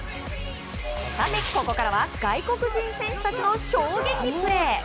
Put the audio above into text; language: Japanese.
ここからは外国人選手たちの衝撃プレー。